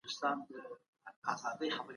که واټني تدریس روان وي، د زده کړې بهیر نه درېږي.